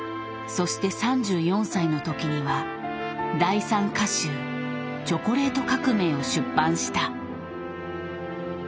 そして３４歳の時には第３歌集「チョコレート革命」を出版した。